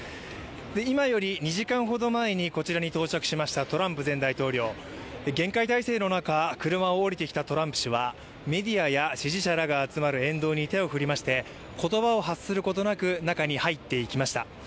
今より２時間ほど前にこちらに到着しましたトランプ前大統領厳戒態勢の中、車を降りてきたトランプ氏はメディアや支持者らが集まる沿道に手を振りまして言葉を発することなく中に入っていきました。